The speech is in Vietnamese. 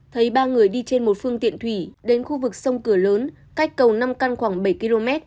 thấy ba người đi trên một phương tiện thủy đến khu vực sông cửa lớn cách cầu năm căn khoảng bảy km